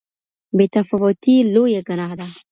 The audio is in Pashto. بې تفاوتي لويه ګناه ده.